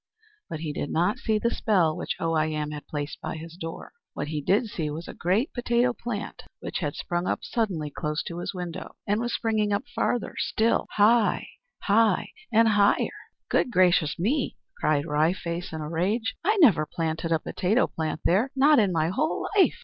But he did not see the spell which Oh I Am had placed by his door. What he did see was a great potato plant which had sprung up suddenly close to his window, and was springing up farther still, high, high, and higher. "Good gracious me!" cried Wry Face in a rage, "I never planted a potato plant there, not in my whole life!